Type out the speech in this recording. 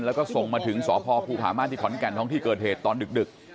แล้วก็ส่งมาถึงสพภูผาม่านที่ขอนแก่นท้องที่เกิดเหตุตอนดึก